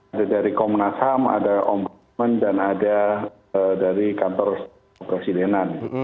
ada dari komunasam ada om pemimpin dan ada dari kantor presidenan